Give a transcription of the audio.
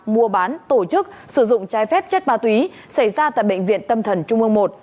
mua bán tổ chức sử dụng trái phép chất ma túy xảy ra tại bệnh viện tâm thần trung ương một